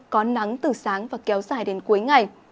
có nắng từ sáng và kéo dài đến cuối ngày